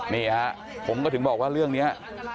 นี่ฮะผมก็ถึงบอกว่าเรื่องนี้